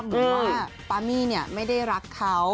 เหมือนว่าป๊ามี่เนี่ยไม่ได้รักเค้า